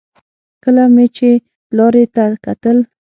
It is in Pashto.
کله مې چې لارې ته کتل.